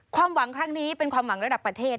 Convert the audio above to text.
ความหวังครั้งนี้เป็นความหวังระดับประเทศ